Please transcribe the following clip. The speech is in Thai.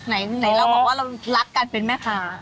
ไหนเราบอกว่าเรารักกันเป็นแม่ค้า